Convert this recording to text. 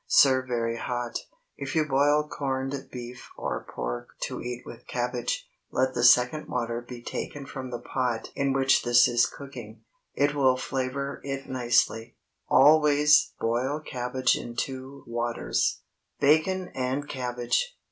Serve very hot. If you boil corned beef or pork to eat with cabbage, let the second water be taken from the pot in which this is cooking. It will flavor it nicely. Always boil cabbage in two waters. BACON AND CABBAGE.